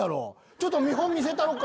ちょっと見本見せたろか？